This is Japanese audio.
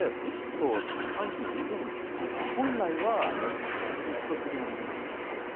雨季と乾季のリズムっていうのは本来はとても規則的なものなんですか？